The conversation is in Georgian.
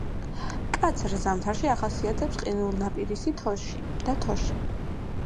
მკაცრ ზამთარში ახასიათებს ყინულნაპირისი და თოში.